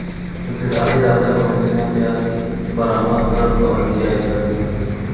اقتصادی رابطہ کمیٹی نے پیاز کی برمد پر پابندی عائد کردی